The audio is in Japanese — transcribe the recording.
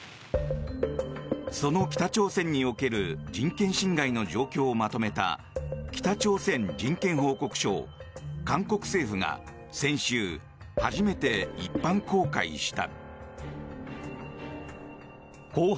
その北朝鮮における人権侵害の状況をまとめた「北朝鮮人権報告書」を韓国政府が先週、初めて一般公開した。